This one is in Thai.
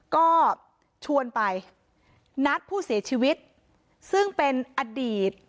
ก็ชวนไปนัดผู้เสียชีวิตซึ่งเป็นอดีต